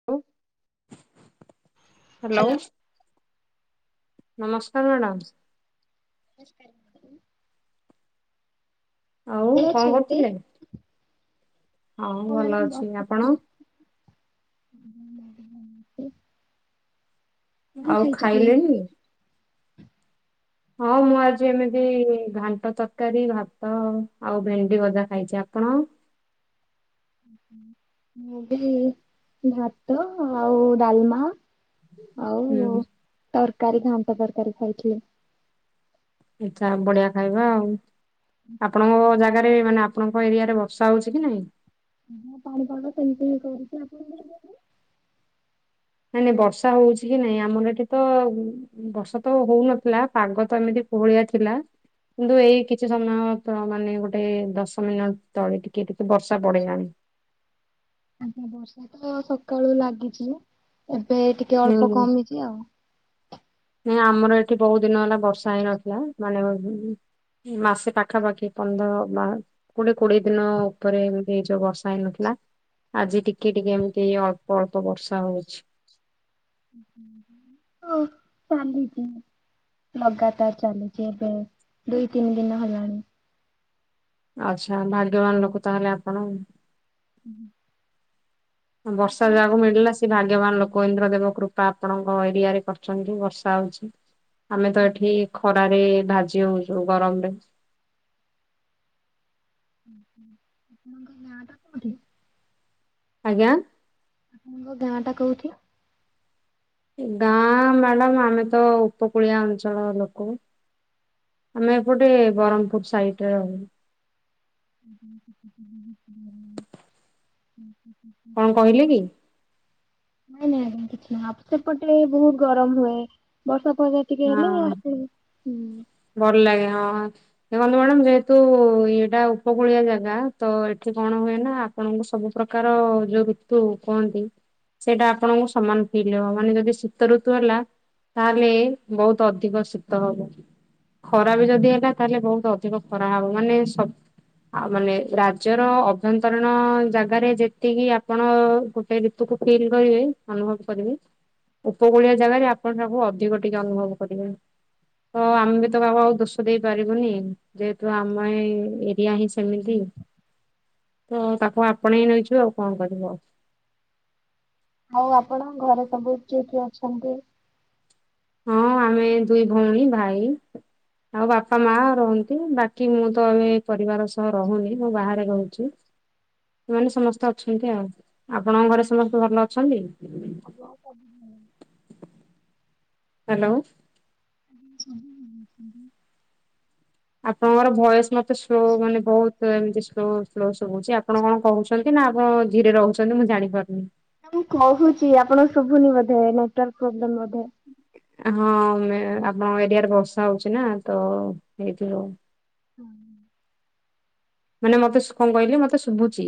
Hello hello hello. ନମସ୍କାରେ madam. ନମସ୍କାରେ। ଆଉ ଭଲ କଣ ଅଛନ୍ତି? କରୁଥିଲେ ହଁ ଭଲ ମ୍ୟାଡ଼ାମ ଅଛି ବସିଥିଲି। ଆପଣ? କଣ ଆଉ ଖାଇଛନ୍ତି? ଖାଇଲେଣି? ହଁ ମୁଁ ଆଜି ଏମିତି ଘାଣ୍ଟ ତ ରକାରୀ ଭାତ ଆଉ ଭେଣ୍ଡି ଭଜା ଖାଇଛି ଆପଣ? ମୁଁ ବି ହେଇ ଭାତ ଆଉ ଡାଲ୍ମା। ଆଉ ହୁଁ ତରକାରୀ ଘାଣ୍ଟ ତରକାରୀ ଖାଇଥିଲି। ଆଛା ବଢିଆ ଖାଇବା ଆଉ ଆପଣଙ୍କ ଜାଗା। ମାନେ ଆପଣଙ୍କ ଏରିଆରେ ବର୍ଷା ହଉଛି କି ନାଇଁ? ହଁ ପାଣିପାଗ ତ ସେମତି ହି କରୁଛି ଆପଣ [inaudible] ନାଇଁ ନାଇଁ ବର୍ଷା ହଉଛି କି ନାଇଁ ଆମର ଏଠି ତ। ବର୍ଷା ତ ହଉନଥିଲା ପାଗ ତ ଏମିତି କୋହଳିଆ ଥିଲା। କିନ୍ତୁ ଏଇ କିଛି ସମୟ ତ ମାନେ ଗୋଟେ ଦଶ ମିନଟ ତଳେ ଟିକେ ଟିକେ ବର୍ଷା ବଢିଲାଣି। ଆଜ୍ଞା ବର୍ଷା ତ ସକାଳୁ ଲାଗିଚି ଏବେ ଟିକେ ହୁଁ ଅଳ୍ପ କମିଚି ଆଉ। ନାଇଁ ଆମର ଏଠି ବହୁ ଦିନ ହେଲା ବର୍ଷା ହେଇନଥିଲା ମାନେ। [unintelligible] ମାସେ ପାଖାପାଖି ପନ୍ଦର ବା। କୋଡିଏ କୋଡିଏ ଦିନ ଉପରେ ଏମତି ଏଇ ଯୋଉ ବର୍ଷା ହେଇନଥିଲା। ଆଜି ଟିକେ ଟିକେ ଏମିତି ଅଳ୍ପ ଅଳ୍ପ ବର୍ଷା ହଉଛି। ହ ଚାଲିଚି। ଲଗାତାର୍ ଚାଲିଛି ଏବେ ଦୁଇ ତିନି ଦିନ ହେଲାଣି। ଆଚ୍ଛା ଭାଗ୍ୟବାନ୍ ଲୋକ ତାହେଲେ ଆପଣ। ହୁଁ ହୁଁ। ହଁ ବର୍ଷା ଯାହାକୁ ମିଳିଲା ସେ ଭା ଗ୍ୟବାନ୍ ଲୋକ ଇନ୍ଦ୍ର ଦେବ କୃପା ଆପଣଙ୍କ ଏରିଆରେ କରଛନ୍ତି ବର୍ଷା ହଉଛି। ଆମେ ତ ଏଠି ଖରାରେ ଭାଜି ହଉଛୁ ଗରମରେ। ହୁଁ ହୁଁ ଆପଣଙ୍କ ଗାଁ ଟା କୋଉଠି? ଆଜ୍ଞା। ଆପଣଙ୍କ ଗାଁ ଟା କୋଉଠି? ଏ ଗାଁ ମ୍ୟାଡ଼ାମ୍ ଆମେ ତ ଉପକୂଳିଆ ଅଞ୍ଚଳ ଲୋକ। ଆମେ ଏପଟେ ବ୍ରହ୍ମପୁର ସାଇଡ ରେ ରହୁ। [unintelligible] କଣ କହିଲେ କି? [unintelligible] ନାଇଁ ନାଇଁ ଆଁ କିଛି ନାହିଁ ସେପଟେ ବହୁତ ଗରମ ହୁଏ। ବର୍ଷା ପା ଟିକେ ହେଲା ହଁ ହୁଁ। ଭଲ ଲାଗେ ହଁ। ଦେଖନ୍ତୁ ମ୍ୟାଡାମ ଯେହେତୁ ଏଇଟା ଉପକୂଳିଆ ଜାଗା ତ ଏଠି କଣ ହୁଏ ନା ଆପଣ ସବୁ ପ୍ରକାର ଯୋଉ ଋତୁ କୁହନ୍ତି ସେଇଟା ଆପଣଙ୍କୁ ସମାନ ଫିଲ ହେବ ମାନେ ଯଦି ଶୀତ ଋତୁ ହେଲା ତାହେଲେ ବହୁତ ଅଧିକ ଶୀତ ହବ। ଖରା ବି ଯଦି ହେଲା ତାହେଲେ ବହୁତ ଅଧିକ ଖରା ହବ ମାନେ ସ ଆଉ ମାନେ ରାଜ୍ୟର ଅଭ୍ୟନ୍ତରୀଣ ଜାଗାରେ ଯେତିକି ଆପଣ ହେ ଋତୁକୁ ଫିଲ୍ କରିବେ ଅନୁଭବ କରିବେ ଉପକୂଳଆ ଜାଗାରେ ଆପଣ ତାକୁ ଅଧିକ ଟିକେ ଅନୁଭବ କରିବେ। ତ ଆମେ ବିତ କାହାକୁ ଆଉ ଦୋସ ଦେଇ ପାରିବୁନି ଯେହେତୁ ଆମ ଏ ଏରିଆ ହିଁ ସେମିତି। ତ ତାକୁ ଆପଣେଇ ନେଇଛୁ ଆଉ କଣ କରିବୁ ଆଉ। ଆଉ ଆପଣ ଘରେ ସବୁ କିିଏ କିଏ ଅଛନ୍ତି? ହଁ ଆମେ ଦୁଇ ଭଉଣୀ ଭାଇ ଆଉ ବାପା ମା ରହନ୍ତି ବାକି ମୁଁ ତ ଏବେ ପରିବାର ସହ ରହୁନି ମୁଁ ବାହାରେ ରହୁଚି। ସେମାନେ ସମସ୍ତେ ଅଛନ୍ତି ଆଉ। ଆପଣଙ୍କ ଘରେ ସମସ୍ତେ ଭଲ ଅଛନ୍ତି? [unintelligible] ହ୍ୟାଲୋ। [unintelligible] ଆପଣଙ୍କର ଭୟସ ମତେ ସ୍ଲୋ ମାନେ ବହୁତ ତ ଏମିତି ସ୍ଲୋ ସ୍ଲୋ ଶୁଭୁଚି ଆପଣ କଣ କହୁଛନ୍ତି ନା ଆପଣ ଝିରେ ରହୁଛନ୍ତି ମୁଁ ଜାଣିପାରୁନି। ମୁଁ କହୁଚି ଆପଣ ଶୁଭୁନି ବୋଧେ ନେଟୱାର୍ ପ୍ରୋବ୍ଲେ ବୋଧେ। ହଁ ମେ ଆପଣଙ୍କ ଏରିଆରେ ବର୍ଷା ହଉଛି ନା ତ ହେଇଥିବ। ମାନେ ମତେ କଣ କହିଲେ ମତେ ଶୁଭୁଚି।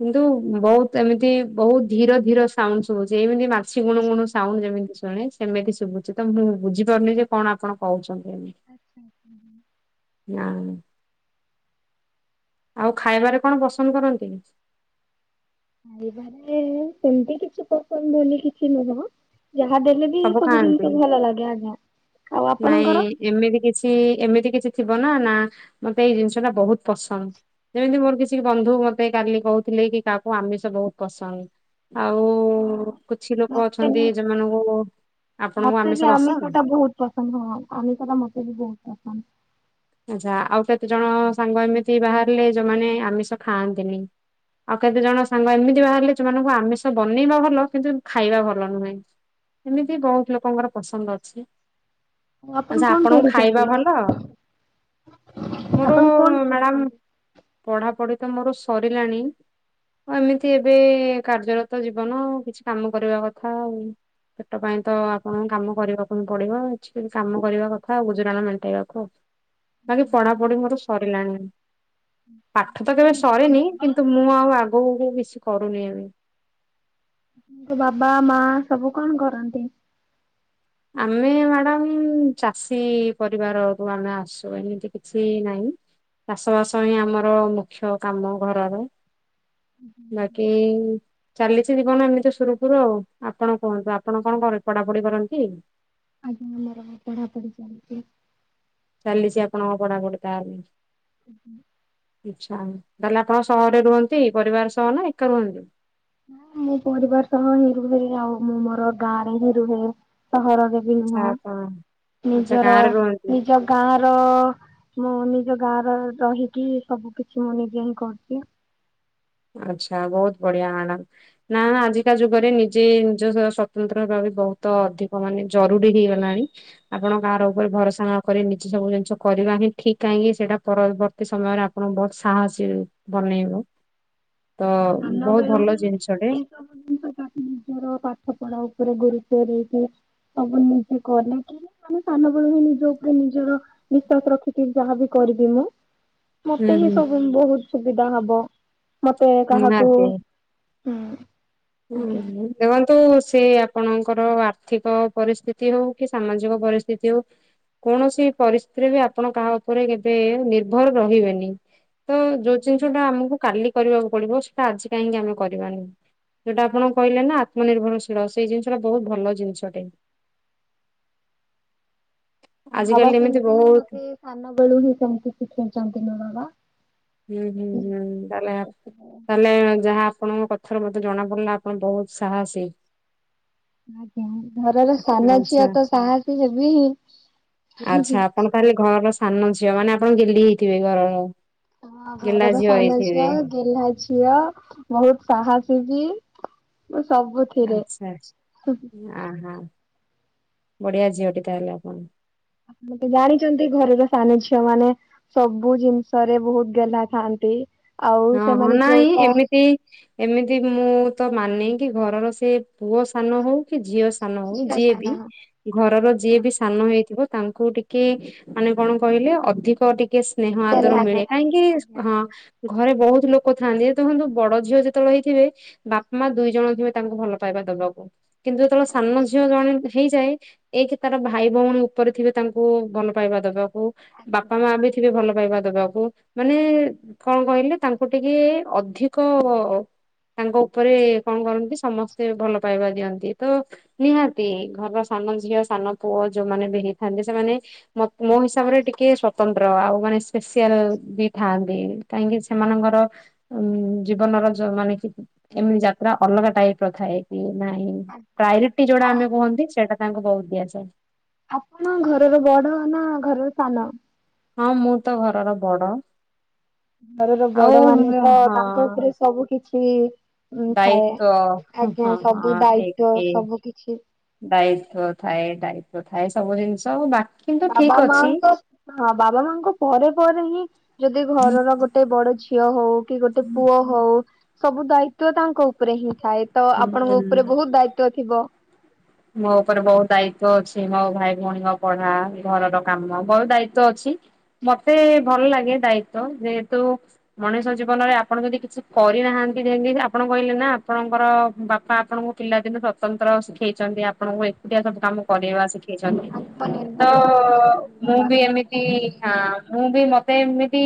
କିନ୍ତୁ ବହୁତ ଏମିତି ବହୁତ ଧିୀର ଧିର ସାଉଣ୍ଡ ସବୁଚି ଏମିତି ମାଛି ଗୁଣୁ ଗୁଣ ସାଉଣ୍ଡ ଯେମିତି ଶୁଣି ସେମିତି ଶୁଭୁଚି ତ ମୁଁ ବୁଝିପାରୁନି ଯେ କଣ ଆପଣ କହୁଚନ୍ତି ଏମତି। ନା ଆଉ ଖାଇବାରେ କଣ ପସନ୍ଦ କରନ୍ତି। ଖାଇିବାରେ ସେମିତି କିଛି ପସନ୍ଦଉନି କିଛି ନୁହଁ। ଯାହା ଦେଲେ ବି ସବୁ ଜିନିଷକୁ ଭଲ ଲାଗେ ଆଜ୍ଞା। ଆଉ ନାଇଁ ଆପଣଙ୍କର? ଏମିତି କିଛି ଏମିତି କିଛି ଥିବ ନା ନା ମତେ ଏଇ ଜିନିଷ ଟା ବହୁତ ପସନ୍ଦ। ଯେମିତି ମୋର କିଛି ବନ୍ଧୁ ମତେ କାଲି କହୁଥିଲେ କି କାହାକୁ ଆମିଷ ବହୁତ ପସନ୍ଦ। ଆଉ ହଁ କିଛି ଲୋକ ମତେ ବି ଅଛନ୍ତି ଯୋମାନଙ୍କୁ ମତେ ବି ଆମଷ ଟା ବହୁତ ପସନ୍ଦ ହଁ ଆମିଷ ଟା ମତେ ବି ବହୁତ ପସନ୍ଦ। ଆଛା ଆଉ କେତେଜଣ ସାଙ୍ଗ ଏମିତି ବାହାରିଲେ ଯୋଉମାନେ ଆମିଷ ଖାଆନ୍ତିନି। ଆଉ କେତେ ଜଣ ସାଙ୍ଗ ଏମିତି ବାହାରିଲେ ସେମାନଙ୍କୁ ଆମିଷ ବନେଇବା ଭଲ କିନ୍ତୁ ଖାଇବା ଭଲ ନୁହେଁ। ଏମିତି ବହୁତ ଲୋକଙ୍କର ପସନ୍ଦ ଅଛି। ଆଉ ଆପଣ ଆଛା କଣ ଆପଣଙ୍କୁ ପଢୁଛନ୍ତି ଖାଇବା ଭଲ ମୋର ଆପଣ କଣ ମ୍ୟାଡାମ ପଢୁଛନ୍ତି? ପଢାପଢି ତ ମୋର ସରିଲାଣି। ଏମିତି ଏବେ କାର୍ଯ୍ୟରତ ଜୀବନ କିଛି କାମ କରିବା କଥା ଆଉ। ସେଟ ପାଇଁ ତ ଆପଣଙ୍କ କାମ କରିବାକୁ ହଁ ପଡିବ କିଛି କାମ କରିବା କଥା ଆଉ ଗୁଜୁରାଣ ମେଣ୍ଟେଇବାକୁ ଆଉ। ବା କିି ପଢାପଢି ମୋର ସରିଲାଣି। ପାଠ ତ କେବେ ଆପଣଙ୍କ ସରେନି ବାବା କିନ୍ତୁ ମୁଁ ଆଉ ଆଗକୁ କିଛି କରୁନି ଏବେ। ବାବା ମା ସବୁ କଣ କରନ୍ତି। ଆମେ ମ୍ୟାଡାମ୍ ଚାଷୀ ପରିବାରରୁୁ ଆମେ ଆସୁ ଏମିତି କିଛି ନାହିଁ। ଚାଷ ବାସ ହିଁ ଆମର ମୁଖ୍ୟ କାମ ଘରର। ବାକି। ଚାଲିଛି ଜୀବନ ଏମିତି ସୁରୁଖୁରୁ ଆଉ ଆପଣ କୁହନ୍ତୁ ଆପଣ କଣ ପଢାପଢି କରନ୍ତି। ଆଜ୍ଞା ମୋର ପଢାପଢି ଚାଲିଛି। ଚାଲିଛି ଆପଣଙ୍କ ପଢାପଢି ତା ହେଲେ। ହଁ [inaudible] ଆଚ୍ଛା ତାହେଲେ ଆପଣ ସହରରେ ରୁହନ୍ତି ପରିବାର ସହ ନା ଏକା ରୁହନ୍ତି। ମୁଁ ପରିବାର ସହ ହିଁ ରୁହେ ଆଉ ମୁଁ ମୋର ଗାଁ ରେ ହିଁ ରୁହେ ସହରରେ। ବି ଆଚ୍ଛା ନୁହଁ ଆପଣ ଆଚ୍ଛା ନିଜର ଗାଁରେ ରୁହନ୍ତି। ନିଜ। ଗାଁ ର ମୁଁ ନିଜ ଗାଁ ର ରହିକି ସବୁ କିଛି ମୁଁ ନିଜେ ହିଁ କରୁଛି। ଆଚ୍ଛା ବହୁତ୍ ବଢିଆ ଆନା। ନା ଆଜିକା ଯୁଗରେ ନିଜେ ନିଜ ସ୍ବତନ୍ତ୍ର ଭାବେ ବହୁତ ଅଧିକ ମାନେ। ଜରୁରୀ ହେଇଗଲାଣି ଆପଣ ଗାଁ ର ଉପରେ ଭରସା ନ କରି। ସବୁ ଜିନିଷ କରିବା ହିଁ ଠିକ୍ କାହିଁକି ସେଇଟା ପରବର୍ତ୍ତୀ ସମୟରେ ଆପଣ ବହୁତ ସାହସି। ବନେଇବ ତ ସାନ ବହୁତ ବେଳୁ ଭଲ ହିଁ ଜିନିଷଟେ। ଏଇ ସବୁ ଜିନିଷ ତାକୁ ନିଜର ପାଠପଢା ଉପରେ ଗୁରୁତ୍ୱ ଦେଇକି ସବୁ ନିଜେ କରିକି। ଆମେ ସାନବେଳୁ ହିଁ ନିଜ ଉପରେ ନିଜର ବିଶ୍ଵାସ ରଖିକି ଯାହାବି କରିବି ମୁଁ। ହୁଁ ମତେ ହିଁ ହୁଁ ସବୁ ବହୁତ ସୁବିଧା ହବ। ମତେ କାହାକୁ ହୁଁ। ହୁଁ ଆଜ୍ଞା। ହୁଁ। ଦେଖନ୍ତୁ ସେ ଆପଣଙ୍କର ଆର୍ଥିକ ପରିସ୍ଥିତି ହଉ କି ସାମାଜିକ ପରିସ୍ଥିତି ହଉ। କୌଣସି ପରିସ୍ଥିତିରେ ବି ଆପଣ କାହା ଉପରେ କେବେ ନିର୍ଭର ରହିବେନି। ତ ଯୋଉ ଜିନିଷ ମୋ ଟା ଆମକୁ କାଲି କରିବାକୁ ପଡିବ ସେଇଟା ଆଜି କାହିଁକି ଆମେ କରିବାନି। ଯୋଉଟା ଆପଣ କହିଲେ ନା ଆତ୍ମନିର୍ଭରଶୀଳ ସେଇ ଜିନିଷଟା ବହୁତ ଭଲ ଜିନିଷଟେ। ବାବା ଆଜିକାଲି ଏମିତି ସେମତି ହି ବହୁତ ମତେ ସାାନନା ବଳୁ ହି ସେମତି ଶିକ୍ଷଣ ଚାନ୍ତି ମ ବାବା [inaudible] ହୁଁ ହୁଁ ହୁଁ ତାହେଲେ ତାହେଲେ ଯାହା ଆପଣଙ୍କ କଥା। ଏଥର ମତେ ଜଣା ପଡ଼ିଲା ଆପଣ ବହୁତ ସାହାସି। ଆଜ୍ଞା ଘରର ସାନ ଝିଅ ଆଚ୍ଛା ତ ସାହସି ହେବି ହିଁ। ଆଚ୍ଛା ଆପଣ ତାହେଲେ ଘରର ସାନ ଝିଅ ମାନେ ଆପଣ ଗେହ୍ଲି ହେଇଥିବେ ଘରର। ହଁ ଗେହ୍ଲା ଘରର ଝିଅ ସାନ ଝିଅ ହେଇଥିବେ ଗେହ୍ଲା ଝିଅ ବହୁତ ସାହସି ବି। ସବୁଥିରେ ଆଚ୍ଛା ଆହା ବଢିଆ ଝିଅଟି ତାହେଲେ ଆପଣ। ମତେ ଜାଣିଛନ୍ତି ଘରର ସାନ ଝିଅ ମାନେ। ସବୁ ଜିନିଷ ରେ ବହୁତ ଗେହ୍ଲାଥାନ୍ତି ଆଉ ହଁ ହଁ ସେମାନେ ନାଇଁ ଯୋଉଟା। ଏମିତି ଏମିତି ମୁଁ ତ ମାନେ କିି ଘରର ସେ ପୁଅ ସାନ ହଉ କି ଝିଅ। ସାନ ହଉ ଝିଅ ଯିଏ ବି ସାନ ଘରର ଯିଏ ବି ସାନ ହେଇଥିବ ତାଙ୍କୁ ଟିକେ। କି ମାନେ କଣ କହିଲେ ଅଧିକ ଟିକେ ସ୍ନେହ ଆଦର ଗେହ୍ଲା ମିଳେ କରନ୍ତି ଆଜ୍ଞା କାହିଁକି ହଁ। ଆଜ୍ଞା। ଘରେ ବହୁତ ଲୋକ ଥାଆନ୍ତି ଦେଖନ୍ତୁ ବଡ ଝିଅ ଯେତେବେଳେ ହେଇଥିବେ। ବାପା ମା ଦୁଇ ଜଣ ଥିବେ ତାଙ୍କୁ ଭଲ ପାଇବା ଦବାକୁ। କିନ୍ତୁ ଯେତେବେଳେ ସାନ ଝିଅ ଜଣେ ହେଇଯାଏ। ଏଇ କିି ତାର ଭାଇ ଭଉଣୀ ଉପରେ ଥିବେ ତାଙ୍କୁ ଭଲ ପାଇବା ଦବାକୁ ଆଜ୍ଞା। ବାପା ମା ବି। ଥିବେ ଭଲ ପାଇବା ଦବାକୁ ମାନେ। କଣ କହିଲେ ତାଙ୍କୁ ଟିକେ ଅଧିକ। ତାଙ୍କ ଉପରେ କଣ କରନ୍ତି ସମସ୍ତେ ଭଲ ପାଇବା ଦିଅନ୍ତି ତ। ନିହାତି ଘରର ସାନ ଝିଅ ସାନ ପୁଅ ଯୋଉମାନେ ବି ହେଇଥାନ୍ତି ସେମାନେ ମୋ ହିସାବରେ ଟିକେ ସ୍ଵତନ୍ତ୍ର ଆଉ ମାନେ ଷ୍ପେସିଆଲ ବି ଥାନ୍ତି। କାହିଁକି ସେମାନଙ୍କର ଉ ଜୀବନର ଯ ମାନେ ଚି ଏମିତି ଯାତ୍ରା ଅଲଗା ଟାଇପ ର ଥାଏ କିି ନାହିଁ? ପ୍ରାୟୋରିଟି ଯୋଉଟା ଆଉ ଆମେ କୁହନ୍ତି ସେଇଟା ତାଙ୍କୁ ବହୁତ ଦିଆଯାଏ। ଆପଣ ଘରର ବଡ ନା ଘରର ସାନ। ହଁ ମୁଁ ତ ଘରର ବଡ। ଘରର ଆଉ ବଡ ମାନେ ମୁଁ ତ ତାଙ୍କ ହଁ ଉପରେ ସବୁ କିଛି ଉଁ ଥାଏ ଦାୟିତ୍ଵ ହଁ ହଁ ଆଜ୍ଞା ସବୁ ଦାୟିତଵ ସବୁ କିଛି। ଦାୟିତ୍ୱ ଥାଏ ଦାୟିତ୍ଵ ଥାଏ ସବୁ ଜିନିଷ ବାକି କିନ୍ତୁ ବାବା ଠିକ ଅଛି। ମାଙ୍କ ହଁ ବାବା ମାଙ୍କ ପରେ ପରେ ହିଁ ଯଦି ଘରର ଗୋଟେ ଗୋଟେ ବଡ ଝିଅ ହଉ କି ଗୋଟେ ପୁଅ ହଉ ସବୁ ଦାୟିତଵ ତାଙ୍କ ଉପରେ ହିଁ ଥାଏ। ତ ହୁଁ ଆପଣଙ୍କ ଉପରେ ବହୁତ ଦାୟିତ୍ଵ ଥିବ। ମୋ ଉପରେ ବହୁତ ଦାୟିତ୍ଵ ଅଛି ମୋ ଭାଇ ଭଉଣୀଙ୍କ ପଢା ଘରର କାମ ବହୁତ ଦାୟିତ୍ଵ ଅଛି। ମୋତେ ଭଲ ଲାଗେ ଦାୟିତ୍ଵ ଯେହେତୁ ମଣିଷ ଜୀବନରେ ଆପଣ ଯଦି କିଛି କରିନାହାନ୍ତି ଯେମିତି ଆପଣ କହିଲେ ନା ଆପଣଙ୍କର ବାପା ଆପଣଙ୍କୁ ପିଲାଦିନରୁ ସ୍ଵତନ୍ତ୍ର ଶିଖେ ଚନ୍ତି, ଆପଣଙ୍କୁ ଏକୁଟିଆ ସବୁ କାମ ଆଜ୍ଞା କରେଇବା ଶିଖେଇଚନ୍ତି ତ ଆତ୍ମନିର୍ଭର ଶିଖେଇଛନ୍ତି ମୋ ମୁଁ ବାବା। ବି ଏମିତ ଇ ହଁ ମୁଁ ବି ମତେ ଏମିତି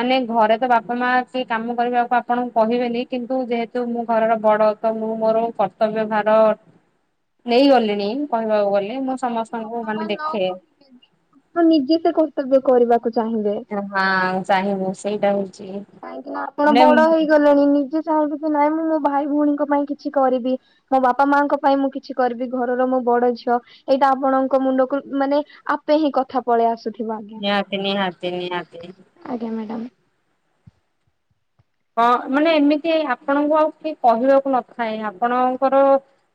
ମାନେ ଘରେ ତ ବାପା ମା କିଏ କାମ କରିବାକୁ ଆପଣଙ୍କୁ କହିବେନି କିନ୍ତୁ ଯେହେତୁ ମୁଁ ଘରର ବଡ ତ ମୁଁ ମୋର କର୍ତ୍ତବ୍ୟ ଭାର ନେଇ ଗଲିଣି କହିବାକୁ ଗଲେ ମୁଁ ସମସ୍ତଙ୍କୁ ମାନେ ଦେଖେ। ଆପଣ ନିଜେ ତ କର୍ତ୍ତବ୍ୟ କରିବାକୁ ଚାହିଁବେ। ହଁ ଚାହିଁବୁ ସେଇଟା ହଉଚି କାହିଁକି ନା ଆପଣ ବଡ ହେଇଗଲେଣି। ନିଜେ ଚାହିଁବେ କି ନାଇଁ ମୁଁ ମୋ ଭାଇ ଭଉଣୀଙ୍କ ପାଇଁ କିଛି କରିବି। ମୋ ବାପା ମାଙ୍କ ପାଇଁ ମୁଁ କିଛି କରିବି। ଘରର ମୁଁ ବଡ ଝିଅ। ଏଇଟା ଆପଣଙ୍କ ମୁଣ୍ଡକୁ ମାନେ ଆପେ ହିଁ କଥା ପଳେଇ ଆସୁଥିବା ନିହାତି ନିହାତି ନିହାତି। ଆଜ୍ଞା ମ୍ୟାଡ଼ାମ୍। ହଁ ମାନେ ଏମିତି ଆପଣଙ୍କୁ ଆଉ କେହି କହିବାକୁ ନଥାଏ। ଆପଣଙ୍କର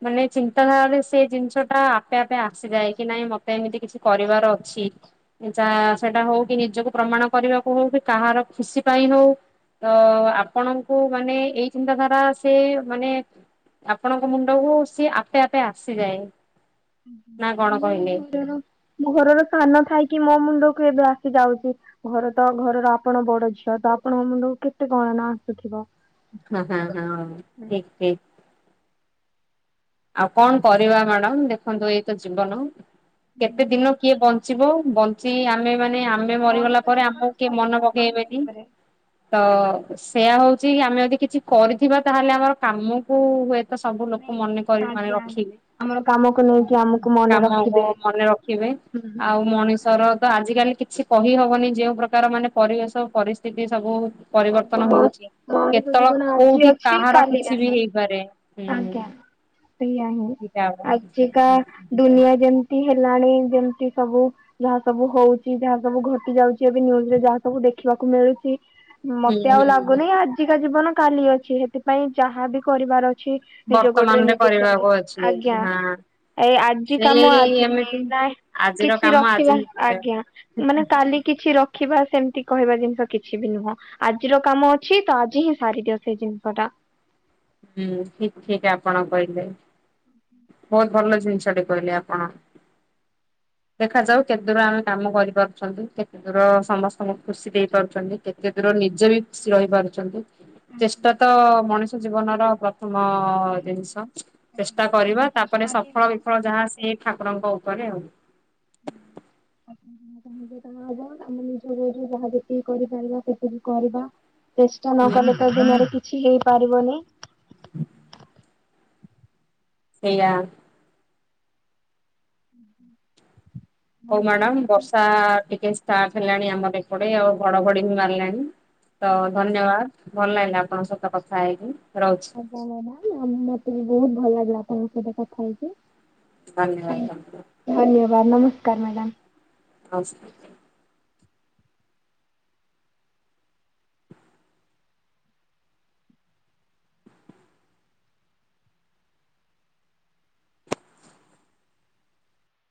ମାନେ ଚିନ୍ତାଧାରାରେ ସେ ଜିନିଷ ଟା ଆପେ ଆପେ ଆସିଯାଏ କି ନାଇଁ ମତେ ଏମିତି କିଛି କରିବାର ଅଛି। ଯା ସେଟା ହଉ କି ନିଜକୁ ପ୍ରମାଣ କରିବାକୁ ହଉ କି କାହାର ଖୁସି ପାଇଁ ହଉ। ତ ଆପଣଙ୍କୁ ମାନେ ଏଇ ଚିନ୍ତାଧାରା ଆସେ ମାନେ ଆପଣଙ୍କ ମୁଣ୍ଡକୁ ସିଏ ଆପେ ଆପେ ଆସିଯାଏ। ନା କଣ କହିଲେ? [inaudible] ଘରର ସାନ ଥାଇକି ମୋ ମୁଣ୍ଡକୁ ଏବେ ଆସି ଯାଉଚି। ଘର ତ ଘରର ଆପଣ ବଡ ଝିଅ ତ ଆପଣଙ୍କ ମୁଣ୍ଡକୁ କେତେ କଣ ନ ଆସୁଥିବ। ହଁ ହଁ ହଁ ଠିକ ଠିକ। ଆଉ କଣ କରିବା ମାଡାମ ଦେଖନ୍ତୁ ଏଇତ ଜୀବନ କେତେ ଦିନ କିଏ ବ ଞ୍ଚିବ ବଞ୍ଚି ଆମେ ମାନେ ଆମେ ମରିଗଲା ପରେ ଆମକୁ କିଏ ମନ ପକେଇବେନି। ତ ସେୟା ହଉଚି ଆମେ ଯଦି କିଛି କରିଥିବା ତାହେଲେ ଆମର କାମକୁ ହୁଏ ତ ସବୁ ଲୋକ ମନେ [inaudible] ରଖିବେ ଆମର କାମକୁ ନେଇକି ଆମକୁ ମନେ କାମକୁ ରଖିବେ। ମନେ ରଖିବେ। ଆଉ ଉ ମଣିଷର ତ ଆଜିିକାଲି କିଛି କହି ହବନି ଯେଉଁ ପ୍ରକାର ମାନେ ପରିବେଶ ପରିସ୍ଥିତି ସବୁ ପରିବର୍ତ୍ତନ ହଉଚି। ମଣିଷ କେତେବଳ ଜୀବନ ଆଜି କୋଉଠି ଅଛି କାହାର କାଲି କିଛି ବି ନାହିଁ ହେଇପାରେ ହୁଁ। ଏଇଆ ହିଁ ସେଇଟା ଆଉ। ଆଜିକା ଦୁନିଆ ଯେମତି ହେଲାଣି ଯେମତି ସବୁ ଯାହା ସବୁ ହଉଚି ଯାହା ସବୁ ଘଟି ଯାଉଚି ଏବେ ନ୍ୟୁଜରେ ଯାହା ସବୁ ଦେଖିବାକୁ ମିଳିଚି ହୁଁ ମତେ ଆଉ ହୁଁ ଲାଗୁନି ଆଜିକା ଜୀବନ କାଲି ଅଛି ହେଥିପାଇଁ ଯାହାବି କରିବାର ଅ ଛି ନିଜ ଗୋଡ଼ରେ ବର୍ତ୍ତମାନରେ ନିଜେ ଠିଆ କରିବାକୁ ହେଇ ଅଛି ଆଜ୍ଞା। ହଁ। ଏଇ ଆଜି କାମ ସେଇ ଆଜି ହିଁ ଏମିତି ନା ଆଜିର କିଛି କାମ ଆଜି ରଖିବନ୍ ହିଁ କରିବା। ଆଜ୍ଞା ମାନେ କାଲି କିଛି ରଖିବା ସେମତି କହିବା ଜିନଷ କିଛି ବି ନୁହଁ। ଆଜିର କାମ ଅଛି ତ ଆଜି ହିଁ ସାରି ଦିଅ ସେ ଜିନଷ ଟା। ହୁଁ ଠିକ୍ ଠିକ୍ ଆପଣ କହିଲେ। ବହୁତ ଭଲ ଜିନଷ ଟେ କହିଲେ ଆପଣ। ଦେଖାଯାଉ କେତେ ଦୂର ଆମେ କାମ କରିପାରୁଛନ୍ତି କେତେ ଦୂର ଅ ସମସ୍ତଙ୍କୁ ଖୁସି ଦେଇପାରୁଚନ୍ତି କେ କେତେ ଦୂର ନିଜେ ବି ଖୁସି ରହିପାରୁଚନ୍ତି ଚେଷ୍ଟା ତ ଅ ଅ ମଣିଷ ଜୀବନର ପ୍ର ଥମ ଜିନଷ ଚେଷ୍ଟା କରିବା ତାପରେ ସଫଳ ବିଫଳ ଯାହା ସିଏ ଠାକୁରଙ୍କ ଉପରେ ଆଉ। [inaudible] ଯୋଉଟା ହ ହବ ଆମ ନିଜ ଗୋଡ଼ରେ ଯାହା ଯେତିକି କରିପାରିବା ସେତିକି କରିବା। ଚେଷ୍ଟା ନ ହୁଁ କଲେ ତ ଦୁନିଆରେ କିଛି ହେଇପାରିବନି। ସେଇଆଁ। ହୁଁ ହୁଁ। ହଉ ମାଡ଼ାମ ବର୍ଷା ଆ ଆ ଟିକେ ଷ୍ଟାର୍ଟ ହେଲାଣି ଆମର ଏପଟେ ଆଉ ଘଡ଼ଘଡ଼ି ବି ମାରଲାଣି ତ ଧନ୍ୟବାଦ ଭଲ ଲାଗିଲା ଆପଣଙ୍କ ସହିତ କଥା ହେଇକି ରହୁଛି। ଆଜ୍ଞା ମ୍ୟାଡ଼ାମ୍ ଆଉ ମତେ ବି ବହୁତ ଭଲ ଲାଗିଲା ଆପଣଙ୍କ ସହିତ କଥା ହେଇକି। ଧନ୍ୟବାଦ। ଧନ୍ୟବାଦ ନମସ୍କାର ମାଡ଼ାମ୍। ଅଂଶ